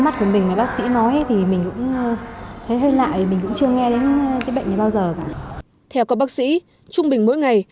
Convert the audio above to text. theo các bác sĩ trung bình mỗi ngày